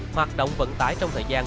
hoạt động vận tải trong thời gian